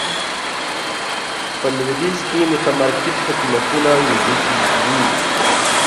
په لوېدیځ کې متمرکز حکومتونه موجود و.